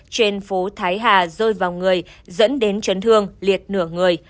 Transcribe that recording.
trên phố thái hà rơi vào người dẫn đến chấn thương liệt nửa người